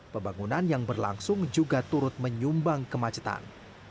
pembangunan yang berlangsung juga turut menyumbang kemacetan